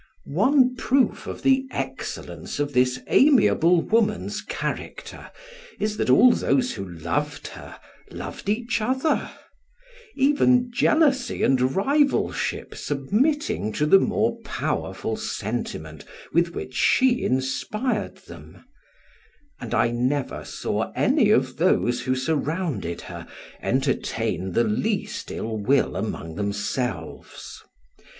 One proof of the excellence of this amiable woman's character, is, that all those who loved her, loved each other; even jealousy and rivalship submitting to the more powerful sentiment with which she inspired them, and I never saw any of those who surrounded her entertain the least ill will among themselves.